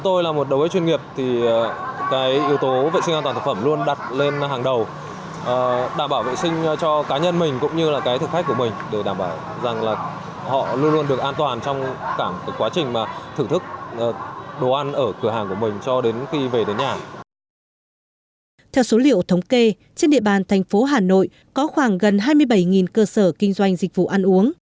theo số liệu thống kê trên địa bàn thành phố hà nội có khoảng gần hai mươi bảy cơ sở kinh doanh dịch vụ ăn uống